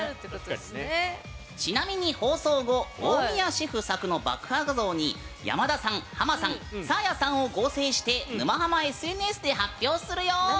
ちなみに放送後大宮シェフ作成の爆破画像に山田さん、ハマさんサーヤさんを合成して「沼ハマ」ＳＮＳで発表するよ！